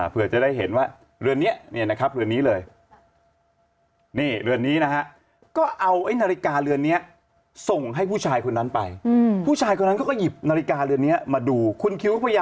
เพื่อจะได้เห็นว่าเรือนนี้นะครับเรือนนี้เลย